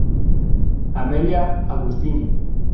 Amelia Agustini.